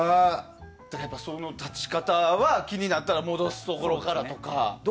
その立ち方は気になったら戻すところからとか。